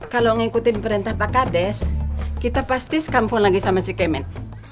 kalau ngikutin perintah pak kades kita pasti sekampung lagi sama si kemen